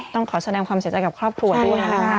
ต้องขอแสดงความเสียใจกับครอบครัวด้วยนะคะ